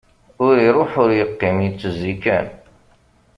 Ur iṛuḥ ur yeqqim, yettezzi kan.